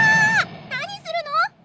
何するの！